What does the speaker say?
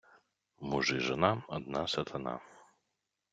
муж і жона – одна сатана